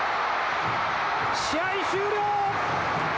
試合終了！